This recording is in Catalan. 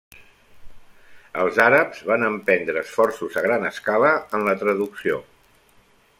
Els àrabs van emprendre esforços a gran escala en la traducció.